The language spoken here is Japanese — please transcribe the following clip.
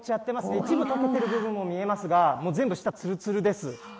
一部溶けている部分も見えますが、下つるつるです。